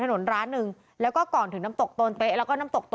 และก็คือว่าถึงแม้วันนี้จะพบรอยเท้าเสียแป้งจริงไหม